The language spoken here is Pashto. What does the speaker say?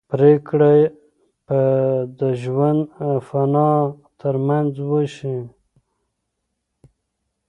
پرېکړه به د ژوند او فنا تر منځ وشي.